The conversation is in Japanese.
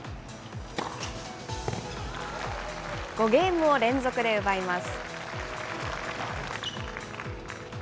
５ゲームを連続で奪います。